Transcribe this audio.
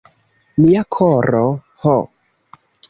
Mia koro, ho!